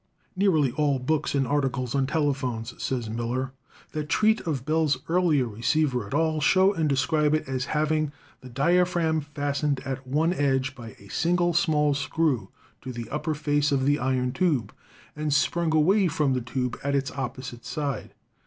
"Nearly all books and articles on telephones," says Miller, "that treat of Bell's early receiver at all, show and describe it as having the diaphragm fastened at one edge by a single small screw to the upper face of the iron tube, and sprung away from the tube at its opposite side.